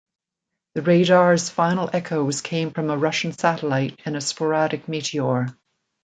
The radar's final echoes came from a Russian satellite and a sporadic meteor.